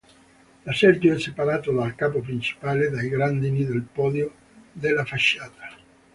L'esergo è separato dal capo principale dai gradini del podio della facciata.